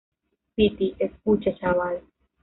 piti, escucha, chaval.